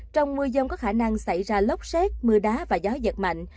trong mưa dông có khả năng xảy ra lốc xét mưa đá và gió giật mạnh